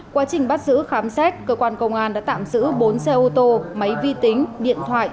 quá trình bắt giữ khám xét cơ quan công an đã tạm giữ bốn xe ô tô máy vi tính điện thoại